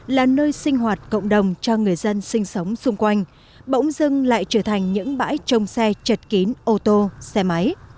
là nơi sinh hoạt cộng đồng cho người dân sinh sống xung quanh bỗng dưng lại trở thành những bãi trông xe chật kín ô tô xe máy